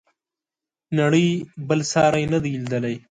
نړۍ بل ساری نه دی لیدلی.